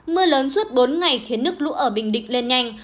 mưa lớn suốt bốn ngày khiến nước lũ ở bình định lên nhanh